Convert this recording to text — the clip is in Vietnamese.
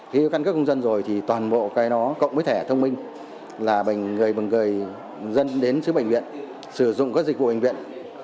thì cái căn cứ công dân rồi thì toàn bộ cái nó cộng với thẻ thông minh là bằng người dân đến sứ bệnh viện sử dụng các dịch vụ bệnh viện